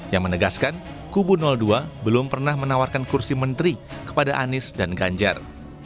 yang menegaskan kubu dua belum pernah menawarkan kursi menteri kepada anies dan ganjar